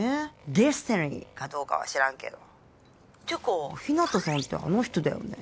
Ｄｅｓｔｉｎｙかどうかは知らんけどてか日向さんってあの人だよね